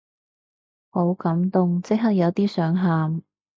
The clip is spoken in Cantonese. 好感動，即刻有啲想喊